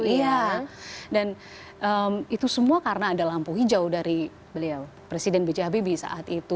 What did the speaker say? iya dan itu semua karena ada lampu hijau dari beliau presiden b j habibie saat itu